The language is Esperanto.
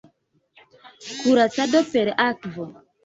Kuracado per akvo.